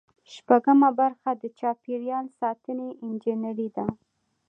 شپږمه برخه د چاپیریال ساتنې انجنیری ده.